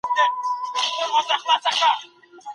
آيا پر ميرمن باندي د خاوند زامن حرام دي؟